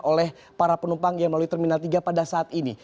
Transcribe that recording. oleh para penumpang yang melalui terminal tiga pada saat ini